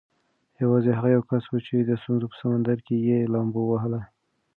یوازې هغه یو کس و چې د ستونزو په سمندر کې یې لامبو ووهله.